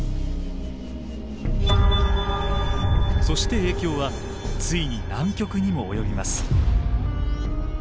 そして影響はついに南極にも及びます。